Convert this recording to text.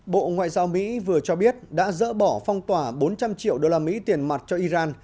bộ ngoại giao mỹ vừa cho biết đã dỡ bỏ phong tỏa bốn trăm linh triệu usd tiền mặt cho iran